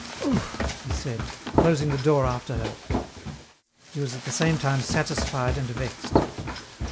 "Oof!" he said, closing the door after her. He was at the same time satisfied and vexed.